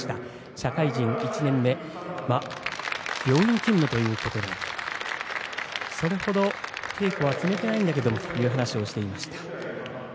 社会人１年目病院勤務ということでそれほど稽古は積めていないんだけれどもという話もしていました。